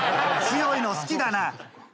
強いの好きだな。